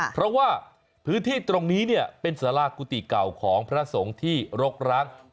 เพราะว่าพื้นที่ตรงนี้เนี่ยเป็นศรากุติเก่าของพระสงคร